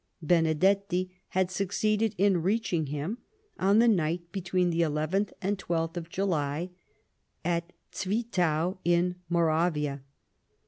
Benedetti had succeeded in reaching him on the night between the nth and 12th of July at Zwittau, in Moravia.